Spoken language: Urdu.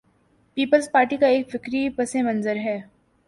پیپلزپارٹی کا ایک فکری پس منظر ہے۔